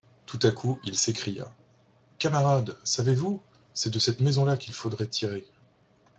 Tout à coup il s'écria : Camarades, savez-vous ? c'est de cette maison-là qu'il faudrait tirer.